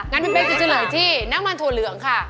งั้นพี่เป๊กจะเฉลยที่น้ำมันถั่วเหลืองค่ะ